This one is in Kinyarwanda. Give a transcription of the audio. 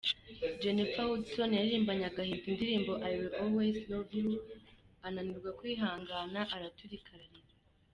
Jennifer Hudson yaririmbanye agahinda indirimbo I will always love you, ananirwa kwihangana araturika ararira.